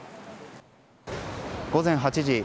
午前８時。